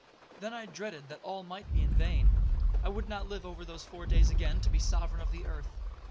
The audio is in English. Then I dreaded that all might be in vain. I would not live over those four days again to be sovereign of the earth.